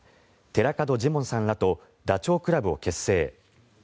寺門ジモンさんらとダチョウ倶楽部を結成。